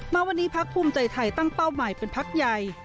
มาวันนี้พักภูมิใจไทยตั้งเป้าใหม่เป็นพักใหญ่